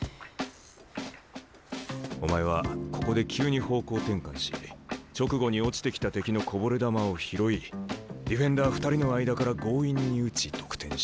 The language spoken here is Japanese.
お前はここで急に方向転換し直後に落ちてきた敵のこぼれ球を拾いディフェンダー２人の間から強引に打ち得点した。